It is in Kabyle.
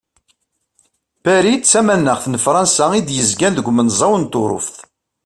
Paris d tamanaxt n Frans i d-yezgan deg umenẓaw n Turuft.